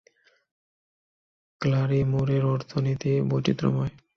ক্লারিমোরের অর্থনীতি বৈচিত্র্যময়।